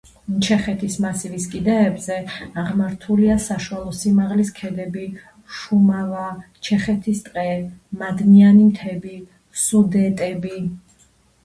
ჩეხეთის მასივის კიდეებზე აღმართულია საშუალო სიმაღლის ქედები: შუმავა, ჩეხეთის ტყე, მადნიანი მთები, სუდეტები.